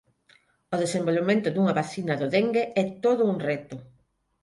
O desenvolvemento dunha vacina do dengue é todo un reto.